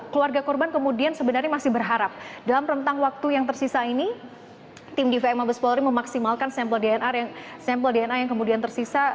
keluarga korban kemudian sebenarnya masih berharap dalam rentang waktu yang tersisa ini tim dvi mabes polri memaksimalkan sampel dna sampel dna yang kemudian tersisa